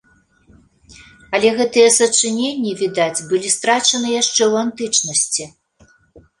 Але гэтыя сачыненні, відаць, былі страчаны яшчэ ў антычнасці.